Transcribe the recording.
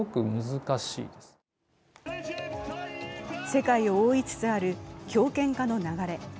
世界を覆いつつある強権化の流れ。